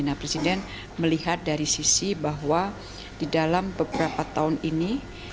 nah presiden melihat dari sisi bahwa di dalam beberapa tahun ini